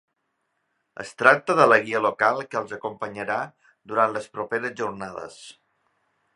Es tracta de la guia local que els acompanyarà durant les properes jornades.